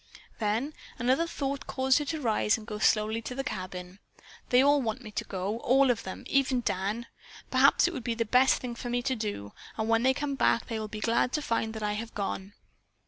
Then another thought caused her to rise and go slowly to the cabin. "They want me to go, all of them, even Dan. Perhaps it would be the best thing for me to do, and when they come back they will be glad to find that I have gone."